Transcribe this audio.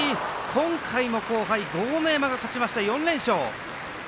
今回も後輩、豪ノ山が勝ちました４連勝。